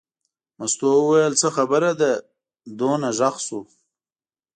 مستو وویل څه خبره ده دومره غږ شو.